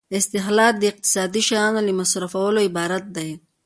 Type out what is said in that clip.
استهلاک د اقتصادي شیانو له مصرفولو عبارت دی.